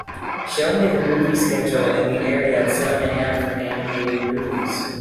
show me the movie schedule in the area at seven AM for animated movies